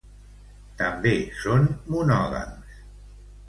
També són monògams.